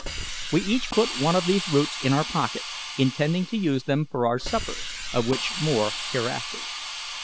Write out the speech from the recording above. We each put one of these roots in our pocket, intending to use them for our supper of which more hereafter.